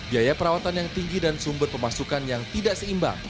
biaya perawatan yang tinggi dan sumber pemasukan yang tidak seimbang